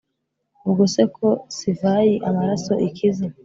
ubwose ko sivayi, amaraso ikiza